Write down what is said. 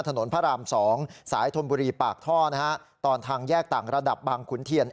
ถนนพระราม๒สายธนบุรีปากท่อนะฮะตอนทางแยกต่างระดับบางขุนเทียน